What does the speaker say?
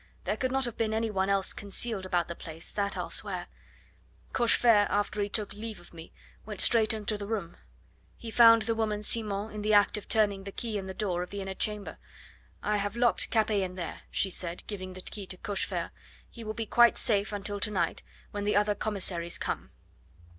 There could not have been any one else concealed about the place that I'll swear. Cochefer, after he took leave of me, went straight into the room; he found the woman Simon in the act of turning the key in the door of the inner chamber. I have locked Capet in there,' she said, giving the key to Cochefer; 'he will be quite safe until to night; when the other commissaries come.